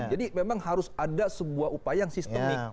jadi memang harus ada sebuah upaya yang sistemik